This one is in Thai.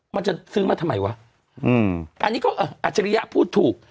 มันจะซื้อมาทำไมวะอันนี้ก็อัจฉริยะพูดถูก